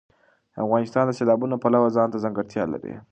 افغانستان د سیلابونه د پلوه ځانته ځانګړتیا لري.